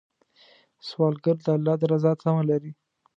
سوالګر د الله د رضا تمه لري